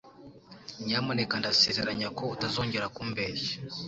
Nyamuneka ndasezeranya ko utazongera kumbeshya.